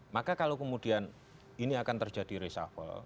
maka kalau kemudian ini akan terjadi reshuffle